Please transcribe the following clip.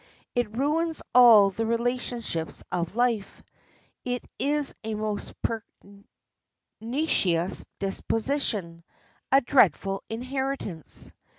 It ruins all the relationships of life, it is a most pernicious disposition, a dreadful inheritance.